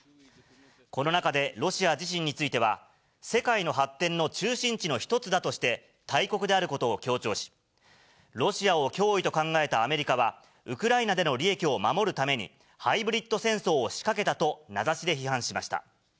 この中で、ロシア自身については、世界の発展の中心地の一つだとして、大国であることを強調し、ロシアを脅威と考えたアメリカは、ウクライナでの利益を守るために、ハイブリッド戦争を仕掛けたと名指しで批判しました。